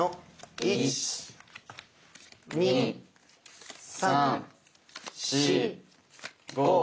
１２３４５！